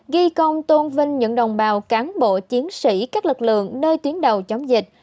ghi công tôn vinh những đồng bào cán bộ chiến sĩ các lực lượng nơi tuyến đầu chống dịch